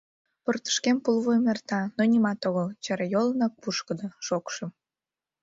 Портышкем пулвуйым эрта, но нимат огыл, чарайоланак пушкыдо, шокшо.